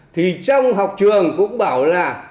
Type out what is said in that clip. thì trong học trường cũng bảo là